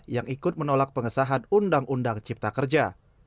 yang ikut menolak pengesahan undang undang cipta kerja